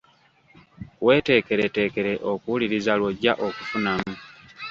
Weeteeketeekere okuwuliriza lw'ojja okufunamu.